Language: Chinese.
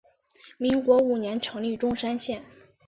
民国五年成立钟山县。